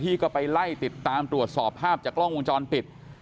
ที่ก็ไปไล่ติดตามตรวจสอบภาพจากกล้องวงจรปิด